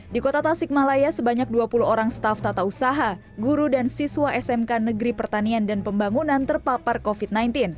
di kota tasikmalaya sebanyak dua puluh orang staff tata usaha guru dan siswa smk negeri pertanian dan pembangunan terpapar covid sembilan belas